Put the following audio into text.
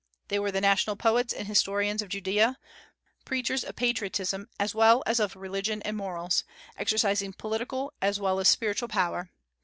They were the national poets and historians of Judaea, preachers of patriotism as well as of religion and morals, exercising political as well as spiritual power.